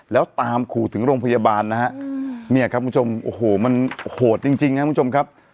แล้วตามขู่ถึงโรงพยาบาลนะฮะเนี่ยครับคุณผู้ชมโอ้โหมันโหดจริงครับคุณผู้ชมครับ